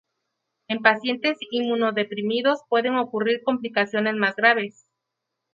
En pacientes inmunodeprimidos pueden ocurrir complicaciones más graves.